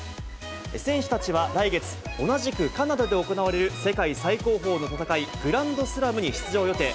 選手たちは来月、同じくカナダで行われる世界最高峰の戦い、グランドスラムに出場予定。